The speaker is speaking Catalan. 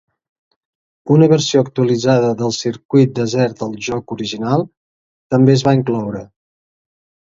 Una versió actualitzada del circuit desert del joc original també es va incloure.